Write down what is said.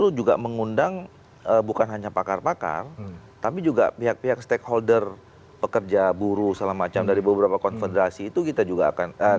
itu juga mengundang bukan hanya pakar pakar tapi juga pihak pihak stakeholder pekerja buruh segala macam dari beberapa konfederasi itu kita juga akan